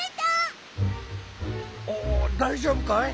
おおだいじょうぶかい？